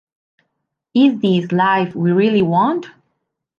Is This the Life We Really Want?